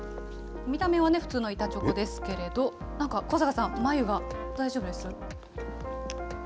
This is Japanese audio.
見た目は普通の板チョコですけれど、なんか、小坂さん、眉が大丈夫です？